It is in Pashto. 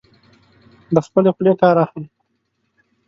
له خپلې خولې کار اخلي.